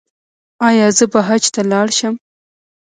ایا زه به حج ته لاړ شم؟